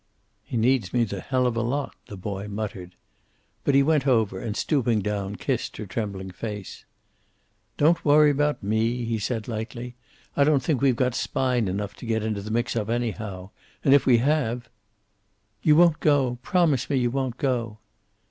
"He needs me the hell of a lot," the boy muttered. But he went over and, stooping down, kissed her trembling face. "Don't worry about me," he said lightly. "I don't think we've got spine enough to get into the mix up, anyhow. And if we have " "You won't go. Promise me you won't go."